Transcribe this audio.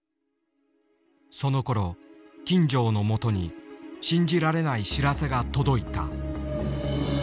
そのころ金城のもとに信じられない知らせが届いた。